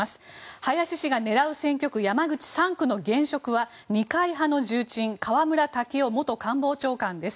林氏が狙う選挙区山口３区の現職は二階派の重鎮河村建夫元官房長官です。